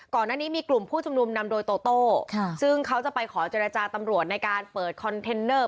ก่อนหน้านี้มีกลุ่มผู้ชุมนุมนำโดยโตโต้ซึ่งเขาจะไปขอเจรจาตำรวจในการเปิดคอนเทนเนอร์